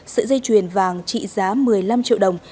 sợi dây chuyền vàng trị giá một mươi năm triệu đồng